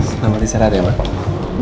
selamat istirahat ya mama